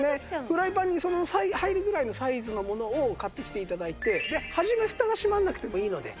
フライパンに入るぐらいのサイズのものを買ってきて頂いて初めフタが閉まらなくてもいいので。